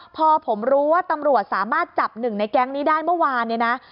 พอผมรู้ว่าตำรวจสามารถจับ๑ในแก๊งที่มันยังได้เมื่อวาน